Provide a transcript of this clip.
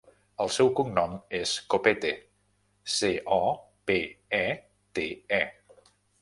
El seu cognom és Copete: ce, o, pe, e, te, e.